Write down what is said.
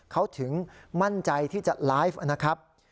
เขาถึงมั่นใจที่จะไลฟ์นะครับ